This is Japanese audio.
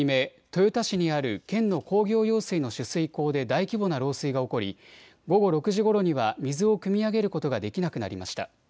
豊田市にある県の工業用水の取水口で大規模な漏水が起こり午後６時ごろには水をくみ上げることができなくなりました。